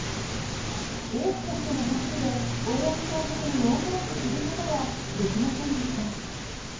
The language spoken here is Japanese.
エースとしての走りで大八木監督に恩返しすることはできませんでした。